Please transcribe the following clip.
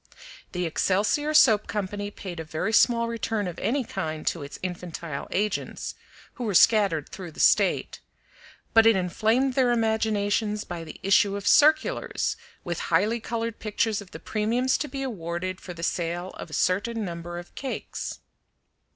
The Excelsior Soap Company paid a very small return of any kind to its infantile agents, who were scattered through the state, but it inflamed their imaginations by the issue of circulars with highly colored pictures of the premiums to be awarded for the sale of a certain number of cakes.